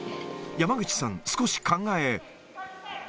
山口さん、少し考え。